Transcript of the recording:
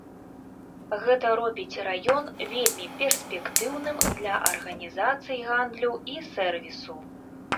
Гэта робіць раён вельмі перспектыўным для арганізацый гандлю і сэрвісу.